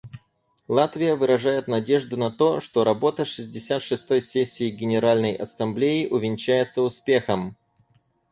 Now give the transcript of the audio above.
Латвия выражает надежду на то, что работа шестьдесят шестой сессии Генеральной Ассамблеи увенчается успехом.